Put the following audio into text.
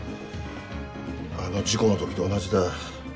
あの事故の時と同じだ。